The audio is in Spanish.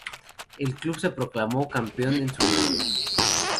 El club se proclamó campeón en su debut.